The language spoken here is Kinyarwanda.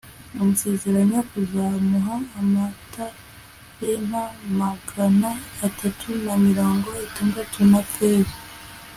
amusezeranya kuzamuha amatalenta magana atatu na mirongo itandatu ya feza